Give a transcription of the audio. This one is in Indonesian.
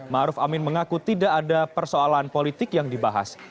maruf amin mengaku tidak ada persoalan politik yang dibahas